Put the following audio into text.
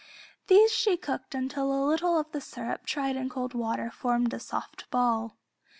These she cooked until a little of the syrup tried in cold water formed a soft ball.